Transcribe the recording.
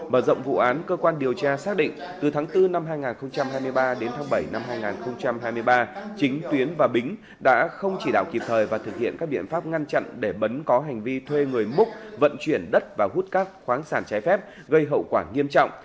mở rộng vụ án cơ quan điều tra xác định từ tháng bốn năm hai nghìn hai mươi ba đến tháng bảy năm hai nghìn hai mươi ba chính tuyến và bính đã không chỉ đạo kịp thời và thực hiện các biện pháp ngăn chặn để bấn có hành vi thuê người múc vận chuyển đất và hút các khoáng sản trái phép gây hậu quả nghiêm trọng